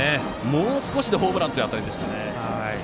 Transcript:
もう少しでホームランという当たりでした。